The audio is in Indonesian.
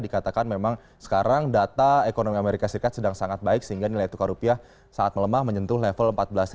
dikatakan memang sekarang data ekonomi amerika serikat sedang sangat baik sehingga nilai tukar rupiah sangat melemah menyentuh level empat belas